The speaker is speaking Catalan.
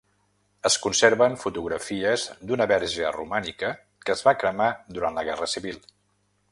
Es conserven fotografies d’una Verge romànica que es va cremar durant la Guerra Civil.